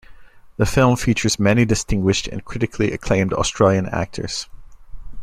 The film features many distinguished and critically acclaimed Australian actors.